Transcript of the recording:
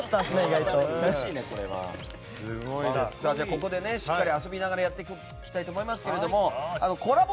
ここでしっかり遊びながらやっていきたいと思いますがコラボ